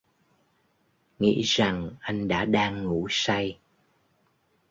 Nghĩ rằng anh đã đang ngủ say